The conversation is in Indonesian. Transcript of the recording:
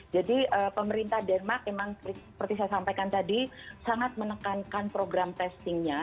jadi pemerintah denmark memang seperti saya sampaikan tadi sangat menekankan program testingnya